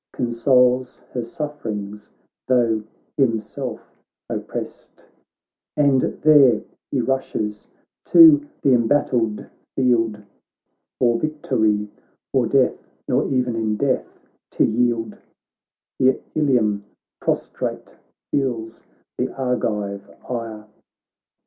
Consoles her suflTerings, tho' himself op prest ; And there he rushes to the embattled field For victory or death, nor e'en in death to yield : Here Ilium prostrate feels the Argive ire.